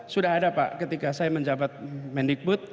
sudah ada pak ketika saya menjabat mendikbud